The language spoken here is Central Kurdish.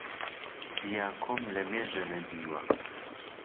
دیاکۆم لەمێژە نەدیوە